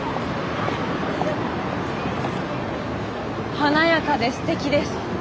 華やかですてきです。